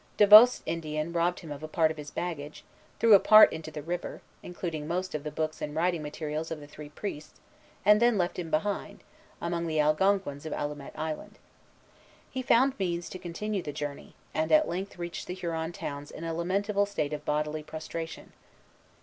Davost's Indian robbed him of a part of his baggage, threw a part into the river, including most of the books and writing materials of the three priests, and then left him behind, among the Algonquins of Allumette Island. He found means to continue the journey, and at length reached the Huron towns in a lamentable state of bodily prostration.